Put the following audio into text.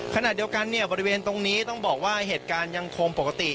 ขณะเดียวกันเนี่ยบริเวณตรงนี้ต้องบอกว่าเหตุการณ์ยังคงปกติ